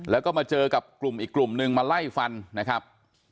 แล้วก็มาเจอกับกลุ่มอีกกลุ่มนึงมาไล่ฟันนะครับ